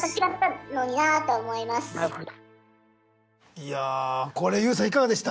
いやこれＹＯＵさんいかがでした？